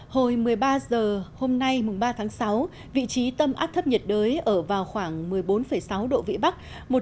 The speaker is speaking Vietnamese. hồi một mươi ba h hôm nay mùng ba tháng sáu vị trí tâm áp thấp nhiệt đới ở vào khoảng một mươi bốn sáu độ vĩ bắc